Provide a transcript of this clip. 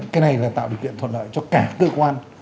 cái này là tạo điều kiện thuận lợi cho cả cơ quan